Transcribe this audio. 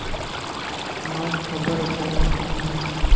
مانک خبر ڪوني